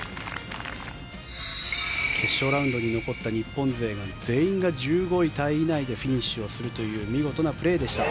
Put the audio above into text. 決勝ラウンドに残った日本勢全員が１５位タイ以内でフィニッシュをするという見事なプレーでした。